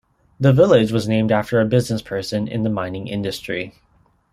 The village was named after a businessperson in the mining industry.